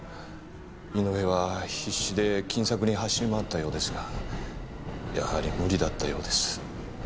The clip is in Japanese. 井上は必死で金策に走り回ったようですがやはり無理だったようです。